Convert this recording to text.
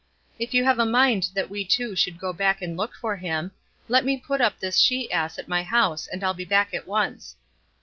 If you have a mind that we two should go back and look for him, let me put up this she ass at my house and I'll be back at once.